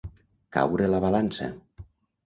Caure la balança.